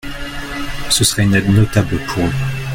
Ce serait une aide notable pour eux.